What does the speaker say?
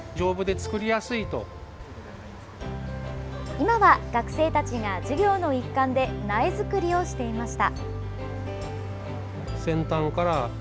今は学生たちが授業の一環で苗づくりをしていました。